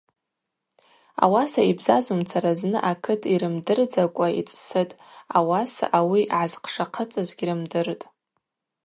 Ауаса йбзазумцара зны акыт йрымдырдзакӏва йцӏсытӏ, ауаса ауи гӏазхъшахъыцӏыз гьрымдыртӏ.